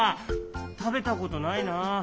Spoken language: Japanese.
たべたことないなあ。